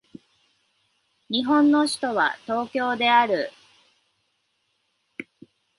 日本の首都は東京である